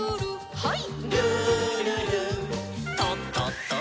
はい。